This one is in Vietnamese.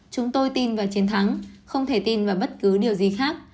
chúng tôi tin vào chiến thắng không thể tin vào bất cứ điều gì khác